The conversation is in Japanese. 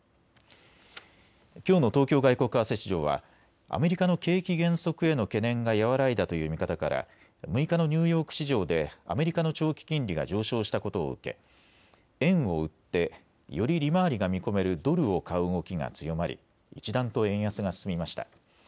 きょうの東京外国為替市場はアメリカの景気減速への懸念が和らいだという見方から６日のニューヨーク市場でアメリカの長期金利が上昇したことを受け円を売ってより利回りが見込めるドルを買う動きが強まり一段と円安が進みました。